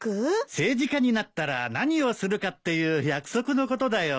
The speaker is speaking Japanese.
政治家になったら何をするかっていう約束のことだよ。